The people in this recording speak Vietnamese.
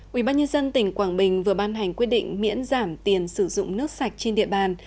quỹ ban nhân dân tỉnh quảng bình vừa ban hành quyết định miễn giảm tiền sử dụng nước sạch trên địa bàn